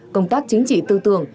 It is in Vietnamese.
công tác chính trị tư tưởng